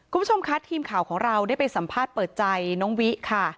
คุณผู้ชมคะทีมข่าวของเราได้ไปสัมภาษณ์เปิดใจน้องวิค่ะ